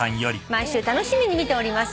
毎週楽しみに見ております」